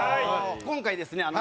今回ですね